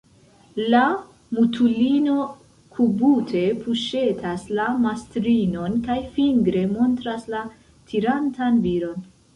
La mutulino kubute puŝetas la mastrinon kaj fingre montras la tirantan viron.